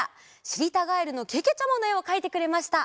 「しりたガエルのけけちゃま」のえをかいてくれました。